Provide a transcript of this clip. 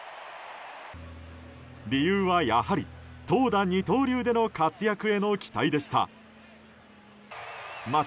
理由は、やはり投打二刀流での活躍への期待でした。